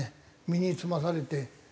身につまされて。